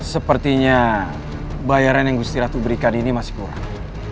sepertinya bayaran yang gusti ratu berikan ini masih kurang